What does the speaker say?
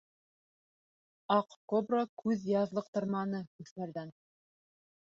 Аҡ Кобра күҙ яҙлыҡтырманы үҫмерҙән.